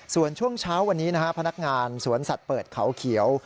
ส่วนช่วงเช้าวันนี้นะฮะพนักงานสวนสัตว์เปิดเขาเขียว